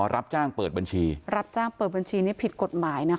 รับจ้างเปิดบัญชีรับจ้างเปิดบัญชีนี่ผิดกฎหมายนะคะ